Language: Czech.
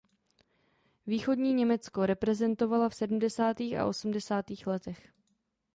Východní německo reprezentovala v sedmdesátých a osmdesátých letech.